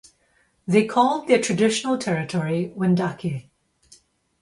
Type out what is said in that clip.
They called their traditional territory Wendake.